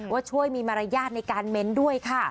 ว่าช่วยมีมารยาทในการเม้นด้วยค่ะ